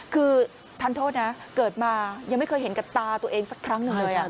คือทันโทษนะเกิดมายังไม่เคยเห็นกับตาตัวเองสักครั้งหนึ่งเลย